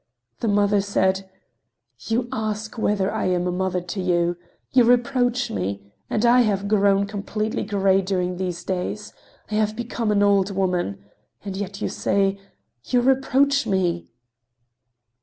The mother said: "You ask whether I am a mother to you? You reproach me! And I have grown completely gray during these days. I have become an old woman. And yet you say—you reproach me!"